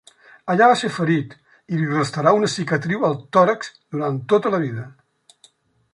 Allà va ser ferit i li restarà una cicatriu al tòrax durant tota la vida.